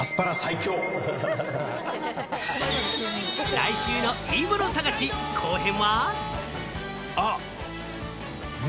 来週のいいもの探し、後編は。